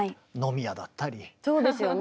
そうですよね。